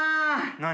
何？